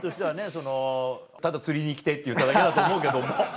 そのただ釣りに行きてぇって言っただけだと思うけども。